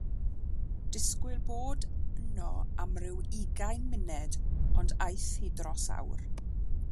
Disgwyl bod yno am rhyw ugain munud ond aeth hi dros awr.